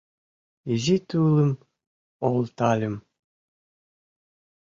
Изи тулым олталъым.